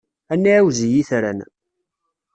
Ad nεiwez i yitran.